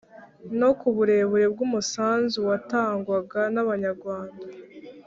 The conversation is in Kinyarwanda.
no ku buremere bw’umusanzu watangwaga n’Abanyarwanda